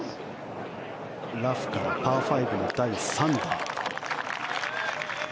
ラフからパー５の第３打。